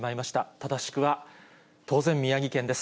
正しくは当然、宮城県です。